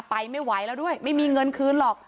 ไปไม่ไหวแล้วด้วยไม่มีเงินคืนหรอก